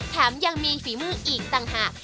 แถมยังมีฝีมืออีกต่างหาก